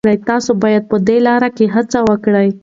تاسي باید په دې لاره کي هڅه وکړئ.